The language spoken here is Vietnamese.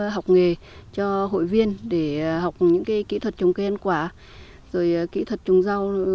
học nghề cho hội viên để học những kỹ thuật trồng cây ăn quả rồi kỹ thuật trồng rau